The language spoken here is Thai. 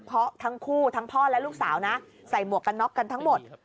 เพราะทั้งคู่ทั้งพ่อและลูกสาวนะใส่หมวกกันน็อกกันทั้งหมด